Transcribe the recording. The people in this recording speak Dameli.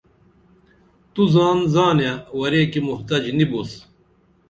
تو زان زانے ورے کی محتج نی بوس